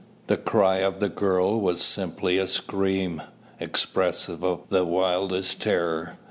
The cry of the girl was simply a scream, expressive of the wildest terror.